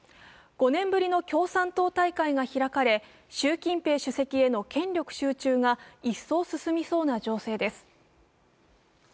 ５年ぶりの共産党大会が開かれ習国家主席への権力集中が一層進みそうな情勢です。